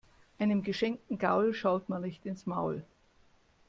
Einem geschenkten Gaul schaut man nicht ins Maul.